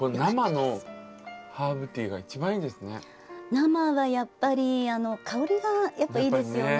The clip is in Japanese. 生はやっぱり香りがいいですよね。